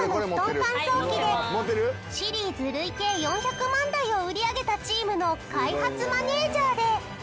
乾燥機でシリーズ累計４００万台を売り上げたチームの開発マネージャーで。